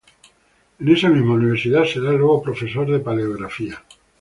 En esa misma universidad será luego profesor de Paleografía.